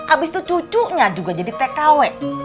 abis itu cucunya juga jadi tkw